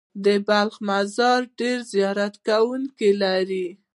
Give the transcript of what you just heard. د بلخ مزار ډېر زیارت کوونکي لري.